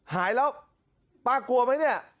หายแล้วป้ากลัวไหมเนี่ย